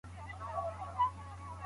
حجره بې ربابه نه وي.